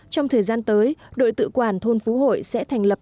trong thời gian tới đội tự quản thôn phú hội sẽ thành lập ba đội